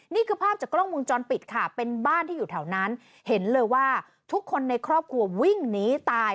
นี่คือภาพจากกล้องวงจรปิดค่ะเป็นบ้านที่อยู่แถวนั้นเห็นเลยว่าทุกคนในครอบครัววิ่งหนีตาย